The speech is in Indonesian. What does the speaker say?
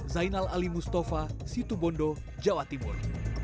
zainal ali mustafa situ bondo jawa timur